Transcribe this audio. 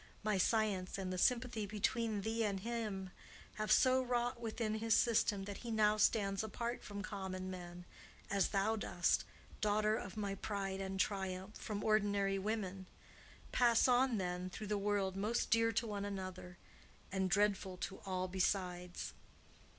My science and the sympathy between thee and him have so wrought within his system that he now stands apart from common men, as thou dost, daughter of my pride and triumph, from ordinary women. Pass on, then, through the world, most dear to one another and dreadful to all besides!"